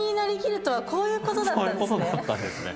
そういうことだったんですね。